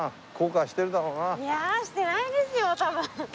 いやしてないですよ多分。